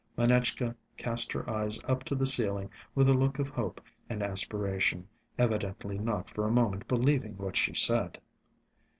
Manetchka cast her eyes up to the ceiling with a look of hope and aspiration, evidently not for a moment believing what she said.